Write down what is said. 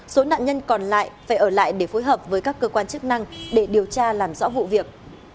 số nạn nhân còn lại phải ở lại để phối hợp với các cơ quan chức năng để điều tra làm rõ vụ việc